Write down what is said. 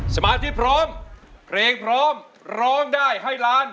สมาธิพร้อมเพลงพร้อมร้องได้ให้ล้าน